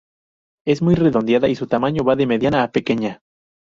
Es muy redondeada y su tamaño va de mediana a pequeña.